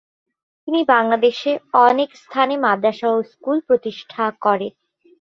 তিনি বাংলাদেশে অনেক স্থানে মাদ্রাসা ও স্কুল প্রতিষ্ঠা করেন।